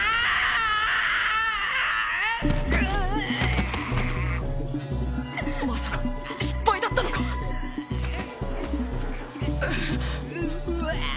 うまさか失敗だったのかおえっ